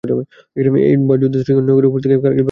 এইবার যুদ্ধ শ্রী নগরের উপরের দিকে কার্গিল ভ্যালিতে হচ্ছে।